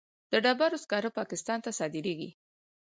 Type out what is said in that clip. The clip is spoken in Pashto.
د ډبرو سکاره پاکستان ته صادریږي